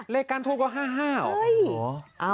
เลขก้าญทูปก็๕๕เหรอ